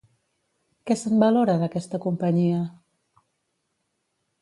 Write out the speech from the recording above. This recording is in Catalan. Què se'n valora, d'aquesta companyia?